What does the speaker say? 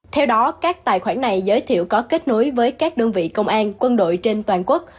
theo đó các tài khoản này giới thiệu có kết nối với các đơn vị công an quân đội trên toàn quốc